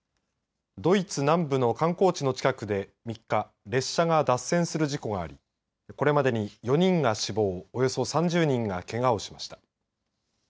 ドイツ南部の観光地の近くで３日、列車が脱線する事故がありこれまでに４人が死亡およそ３０人がけがをしました。